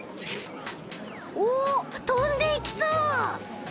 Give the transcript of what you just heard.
おとんでいきそう！